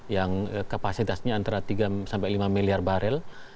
yang kapasitasnya antara tiga sampai lima miliar barel